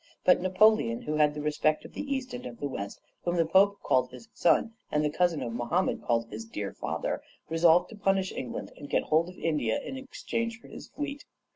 But Napoleon, who had the respect of the East and of the West, whom the Pope called his son, and the cousin of Mohammed called 'his dear father,' resolved to punish England, and get hold of India in exchange for his fleet.